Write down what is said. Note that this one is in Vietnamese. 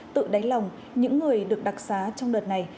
tự đáy lòng những người được đặc xá trong đợt này